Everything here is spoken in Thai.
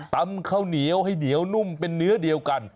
ตำข้าวเหนียวให้เหนียวนุ่มเป็นเนื้อเดียวกัน